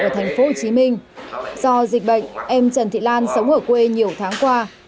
ở thành phố hồ chí minh do dịch bệnh em trần thị lan sống ở quê nhiều tháng qua